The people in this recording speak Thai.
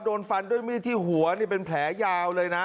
โดนฟันด้วยมีดที่หัวนี่เป็นแผลยาวเลยนะ